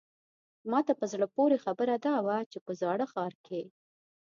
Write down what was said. ماته په زړه پورې خبره دا وه چې په زاړه ښار کې.